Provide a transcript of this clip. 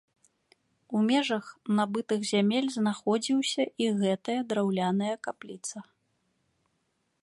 У межах набытых зямель знаходзіўся і гэтая драўляная капліца.